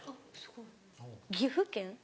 岐阜県。